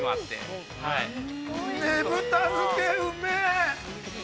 ◆ねぶた漬うめえ！